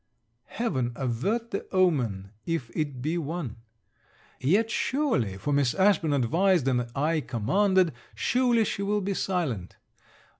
Heaven avert the omen, if it be one! Yet surely, for Miss Ashburn advised and I commanded, surely she will be silent.